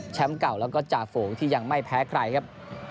เก่าแล้วก็จ่าฝูงที่ยังไม่แพ้ใครครับ